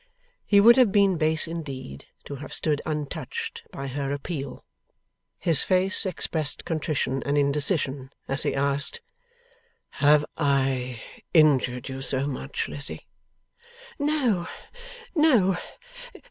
He would have been base indeed to have stood untouched by her appeal. His face expressed contrition and indecision as he asked: 'Have I injured you so much, Lizzie?' 'No, no.